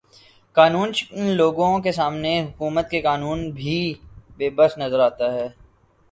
قانوں شکن لوگوں کے سامنے حکومت کا قانون بھی بے بس نظر آتا ہے